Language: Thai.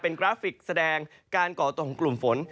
กราฟิกแสดงการก่อตัวของกลุ่มฝน